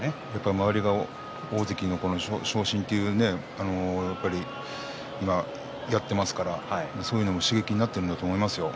周りが大関の昇進というのを今やってますからそういうのも刺激になっていると思いますよ。